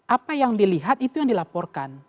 apa yang dilihat itu yang dilaporkan